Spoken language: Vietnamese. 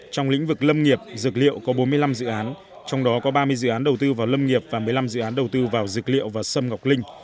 trong lĩnh vực lâm nghiệp dược liệu có bốn mươi năm dự án trong đó có ba mươi dự án đầu tư vào lâm nghiệp và một mươi năm dự án đầu tư vào dược liệu và sâm ngọc linh